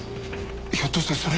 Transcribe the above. ひょっとしてそれ。